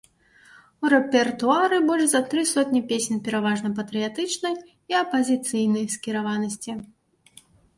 У рэпертуары больш за тры сотні песень пераважна патрыятычнай і апазіцыйнай скіраванасці.